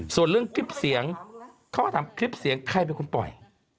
ส่วนเรื่องคลิปเสียงเขาก็ถามคลิปเสียงใครเป็นคนปล่อย